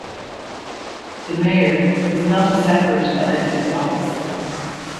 The mayor is not a separate elected office.